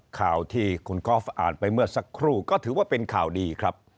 ข่าวที่คุณกอล์ฟอ่านไปเมื่อสักครู่ก็ถือว่าเป็นข่าวดีครับ